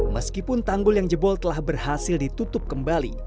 meskipun tanggul yang jebol telah berhasil ditutup kembali